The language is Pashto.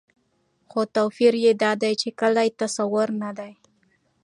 خو توپير يې دا دى، چې کلي تصور نه دى